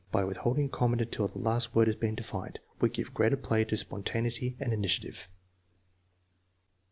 By withholding comment until the last word has been defined, we give greater play to spontaneity and initiative.